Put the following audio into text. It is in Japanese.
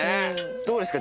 どうですか？